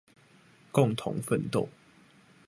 共同奮鬥